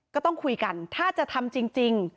ก็ต้องคุยกันถ้าจะทำจริง